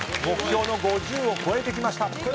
目標の５０を超えてきました。